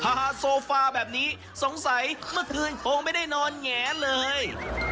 โซฟาแบบนี้สงสัยเมื่อคืนคงไม่ได้นอนแง่เลย